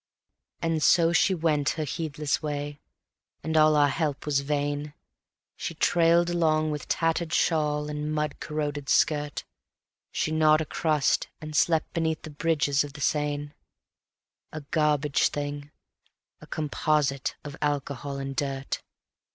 And so she went her heedless way, and all our help was vain. She trailed along with tattered shawl and mud corroded skirt; She gnawed a crust and slept beneath the bridges of the Seine, A garbage thing, a composite of alcohol and dirt.